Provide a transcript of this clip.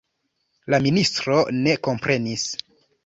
La ministro ne komprenis.